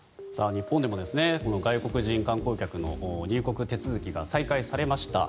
日本でも外国人観光客の入国手続きが再開されました。